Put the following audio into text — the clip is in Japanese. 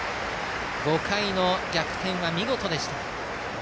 ５回の逆転は見事でした。